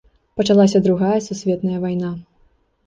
Пачалася другая сусветная вайна.